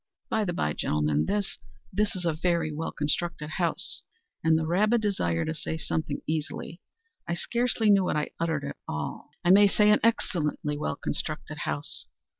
By the bye, gentlemen, this—this is a very well constructed house." (In the rabid desire to say something easily, I scarcely knew what I uttered at all.)—"I may say an excellently well constructed house.